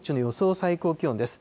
最高気温です。